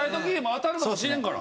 当たるかもしれんから。